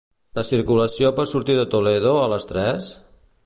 La circulació per sortir de Toledo a les tres?